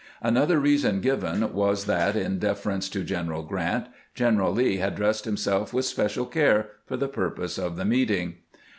Another reason given was that, in defer ence to General Grant, General Lee had dressed himself ■with special care for the purpose of the meeting.